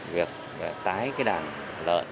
việc tái cái đàn lợn